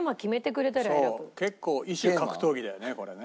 結構異種格闘技だよねこれね。